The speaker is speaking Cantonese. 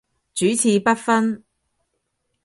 主次不分